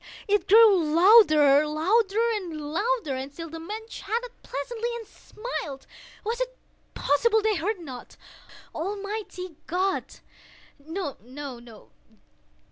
It grew louder—louder—louder! And still the men chatted pleasantly, and smiled. Was it possible they heard not? Almighty God!—no, no!